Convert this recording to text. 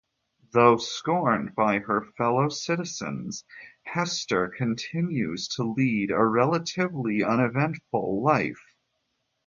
Though scorned by her fellow citizens, Hester continues to lead a relatively uneventful life.